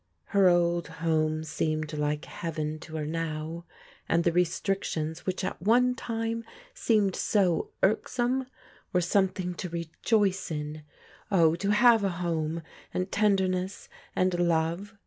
Her old home seemed like heaven to her now, and the restrictions which at one time seemed so irksome were something to rejoice in. Ob, to have a home, and tender ness, and love